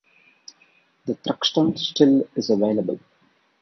The Thruxton still is available.